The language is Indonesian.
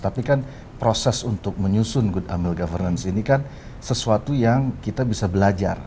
tapi kan proses untuk menyusun good emil governance ini kan sesuatu yang kita bisa belajar